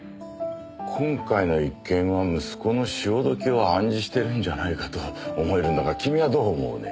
今回の一件は息子の潮時を暗示してるんじゃないかと思えるんだが君はどう思うね？